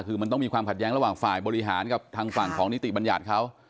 คือมันต้องมีความขัดแย้งระหว่างฝ่ายบริหารกับทางฝั่งของนิติบัญญัติเขา